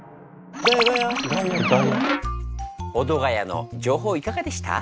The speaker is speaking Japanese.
保土ヶ谷の情報いかがでした？